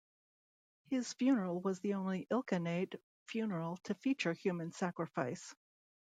His funeral was the only Ilkhanate funeral to feature human sacrifice.